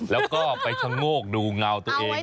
แล้วก็ไปชะโงกดูเงาตัวเอง